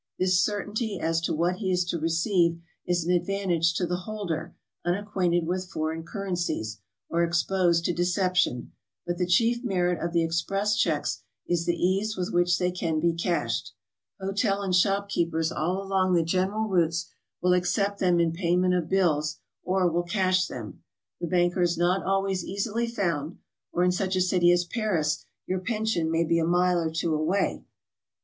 This certainty as to what he is to receive GOING ABROAD? 1 88 is an advantage to the holder unacquainted with foreign currencies, or exposed to deception, but the chief merit of the express checks is the ease with which they can be cashed. Hotel and shop keepers all along the general routes will accept them in payment of bills, or will cash them. The banker is not always easily found, or in such a city as Paris your pension may be a mile or two away.